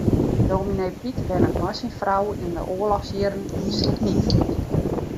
Dominee Pyt wennet mei syn frou yn de oarlochsjierren yn Sint Nyk.